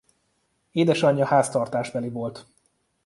Édesanyja háztartásbeli volt.